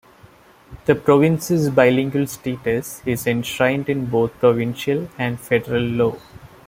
The province's bilingual status is enshrined in both provincial and federal law.